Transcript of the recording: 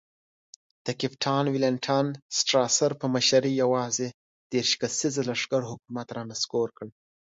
د کپټان والنټاین سټراسر په مشرۍ یوازې دېرش کسیز لښکر حکومت را نسکور کړ.